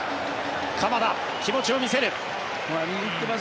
鎌田、気持ちを見せる。